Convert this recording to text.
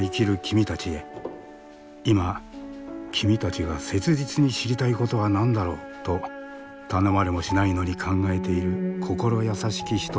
「今君たちが切実に知りたいことは何だろう？」と頼まれもしないのに考えている心優しき人たちがいる。